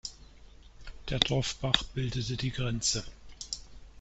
Der Dorfbach bildete die Grenze.